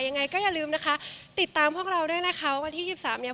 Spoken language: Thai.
ยังไงก็อย่าลืมนะคะติดตามพวกเราด้วยนะคะวันที่สิบสามเนี้ย